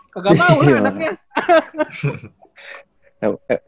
nggak mau lah anaknya